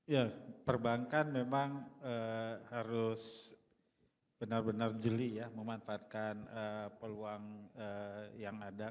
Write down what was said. ya perbankan memang harus benar benar jeli ya memanfaatkan peluang yang ada